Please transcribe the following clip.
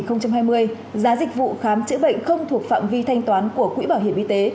từ ngày một một hai nghìn hai mươi giá dịch vụ khám chữa bệnh không thuộc phạm vi thanh toán của quỹ bảo hiểm y tế